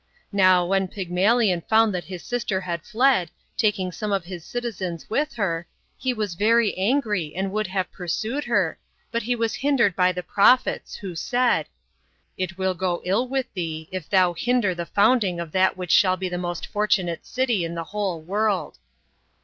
Now, when Pygmalion found that his sister had fled, taking some of his citizens with her, he was very angry and would have pursued her, but he was hindered by the prophets, who said " It will go ill with thee, if thou hinder the found ing of that which shall be the most fortunate city in the whole world."